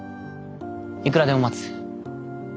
いくらでも待つ。